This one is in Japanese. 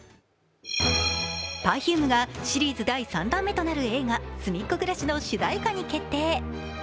Ｐｅｒｆｕｍｅがシリーズ第３弾目となる映画、「すみっコぐらし」の主題歌に決定。